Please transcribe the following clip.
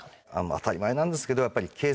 当たり前なんですけどやっぱり。